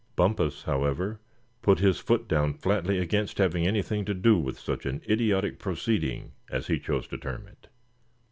Bumpus, however, put his foot down flatly against having anything to do with such an "idiotic proceeding," as he chose to term it.